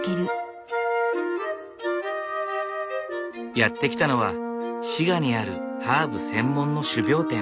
やって来たのは滋賀にあるハーブ専門の種苗店。